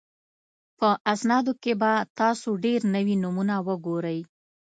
په اسنادو کې به تاسو ډېر نوي نومونه وګورئ